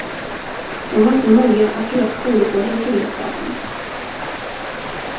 De var så många, att hela skolgården fylldes av dem.